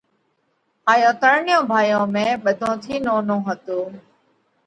هائيون ترڻيون ڀائيون ۾ ٻڌون ٿِي نونو هتو۔